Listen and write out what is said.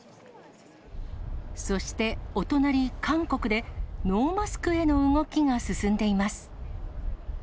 そしてお隣、韓国で、ノーマスクへの動きが進んでいます。